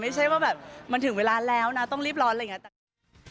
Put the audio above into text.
ไม่ใช่ว่าแบบมันถึงเวลาแล้วนะต้องรีบร้อนอะไรอย่างนี้